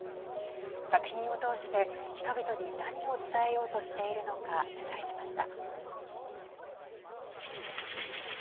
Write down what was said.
作品を通して人々に何を伝えようとしているのか取材しました。